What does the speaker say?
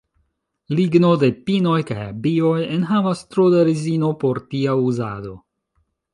Ligno de pinoj kaj abioj enhavas tro da rezino por tia uzado.